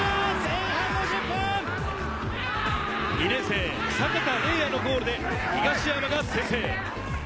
２年生・阪田澪哉のゴールで東山が先制。